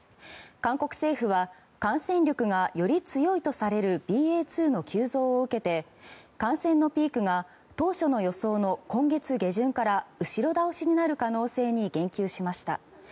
韓国政府は感染力がより強いとされるＢＡ．２の急増を受けて感染のピークが当初の予想の今月下旬から後ろ倒しになる可能性に言及しました。